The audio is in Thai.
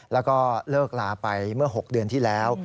แล้วก็เลิกลาไปเมื่อ๖เดือนที่แล้ว